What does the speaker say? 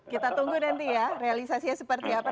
kita tunggu nanti ya realisasinya seperti apa